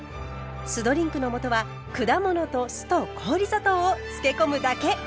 酢ドリンクの素は果物と酢と氷砂糖を漬け込むだけ！